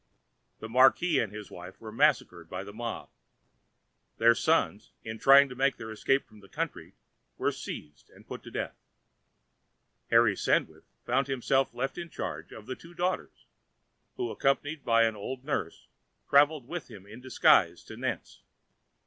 The marquis and his wife were massacred by the mob. Their sons, in trying to make their escape from the country, were seized and put to death. Harry Sandwith found himself left in charge of the two daughters, who, accompanied by an old nurse, travelled with him in disguise to Nantes.